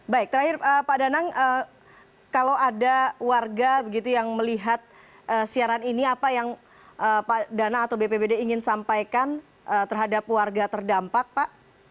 baik terakhir pak danang kalau ada warga begitu yang melihat siaran ini apa yang pak dana atau bpbd ingin sampaikan terhadap warga terdampak pak